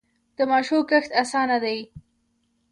د ماشو کښت اسانه دی.